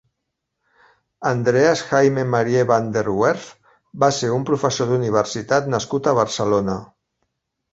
Andreas Jaime Marie van der Werf va ser un professor d'universitat nascut a Barcelona.